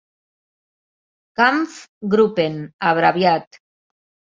"Kampfgruppen"; abrev.